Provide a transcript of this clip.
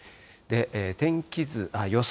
天気図、予想